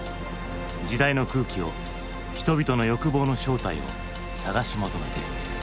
時代の空気を人々の欲望の正体を探し求めて。